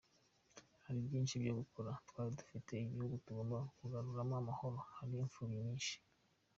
Hari byinshi byo gukora, twari dufite igihugu tugomba kugaruramo amahoro, hari imfubyi nyinshi.